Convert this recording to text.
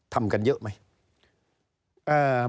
ทำกันเยอะไหม